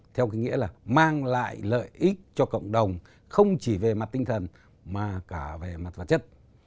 theo cái nghĩa là mang lại lợi ích cho cộng đồng không chỉ về mặt tinh thần mà cả về mặt vật chất